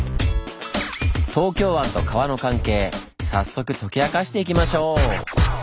東京湾と川の関係早速解き明かしていきましょう！